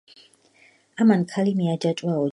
ამან ქალი მიაჯაჭვა ოჯახს.